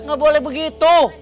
gak boleh begitu